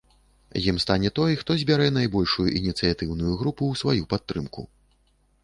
Ім стане той, хто збярэ найбольшую ініцыятыўную групу ў сваю падтрымку.